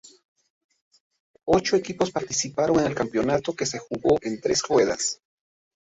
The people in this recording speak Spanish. Ocho equipos participaron en el campeonato que se jugó en tres ruedas.